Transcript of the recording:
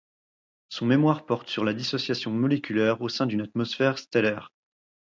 Son mémoire porte sur la dissociation moléculaire au sein d'une atmosphère stellaire.